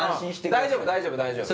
大丈夫大丈夫大丈夫。